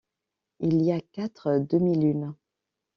Il y a quatre demi-lunes.